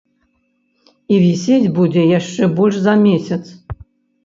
І вісець будзе яшчэ больш за месяц.